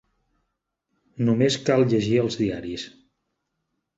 Només cal llegir els diaris.